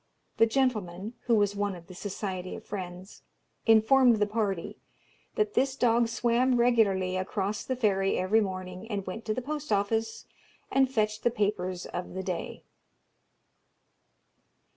The gentleman (who was one of the Society of Friends) informed the party, that this dog swam regularly across the ferry every morning, and went to the post office, and fetched the papers of the day.